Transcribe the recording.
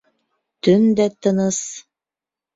Төн дә тыныс.